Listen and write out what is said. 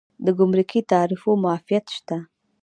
د ګمرکي تعرفو معافیت شته؟